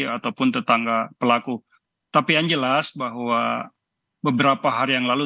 ataupun tetangga pelaku tapi yang jelas bahwa beberapa hari yang lalu